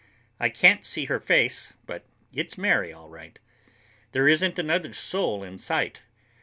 I can't see her face, but it's Mary, all right. There isn't another soul in sight.